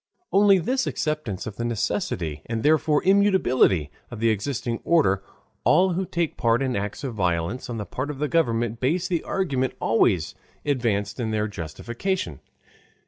On this acceptance of the necessity and therefore immutability of the existing order, all who take part in acts of violence on the part of government base the argument always advanced in their justification.